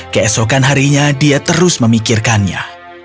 keesokan harinya dia terus memikirkannya